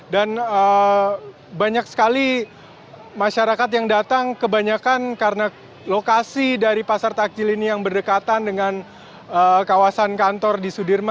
dan banyak sekali masyarakat yang datang kebanyakan karena lokasi dari pasar takjil ini yang berdekatan dengan kawasan kantor di sudirman